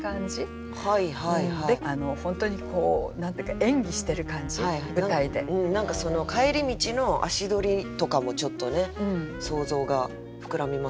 本当にこう何て言うか何かその帰り道の足取りとかもちょっとね想像が膨らみますよね